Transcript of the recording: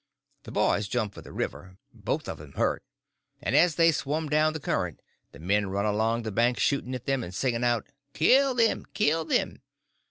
The boys jumped for the river—both of them hurt—and as they swum down the current the men run along the bank shooting at them and singing out, "Kill them, kill them!"